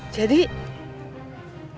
jadi kamu teh gak diapa apain sama preman